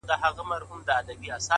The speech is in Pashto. سیاه پوسي ده” ژوند تفسیرېږي”